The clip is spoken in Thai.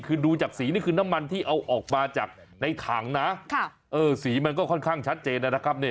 คือดูจากสีนี่คือน้ำมันที่เอาออกมาจากในถังนะสีมันก็ค่อนข้างชัดเจนนะครับ